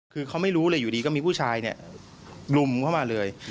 คือเขาไม่รู้เลยอยู่ดีก็มีผู้ชายเนี่ยลุมเข้ามาเลย